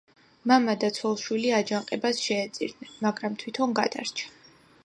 მამა და ცოლ-შვილი აჯანყებას შეეწირნენ, მაგრამ თვითონ გადარჩა.